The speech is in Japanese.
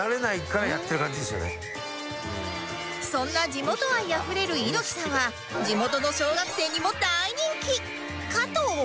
そんな地元愛あふれる猪木さんは地元の小学生にも大人気かと思いきや